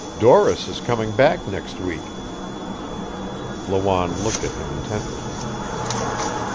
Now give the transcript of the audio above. "Doris is coming back next week." Lawanne looked at him intently.